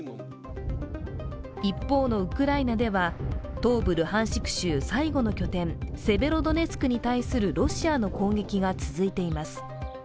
一方のウクライナでは、東部ルハンシク州最後の拠点、セベロドネツクに対するロシアの攻撃が続いています。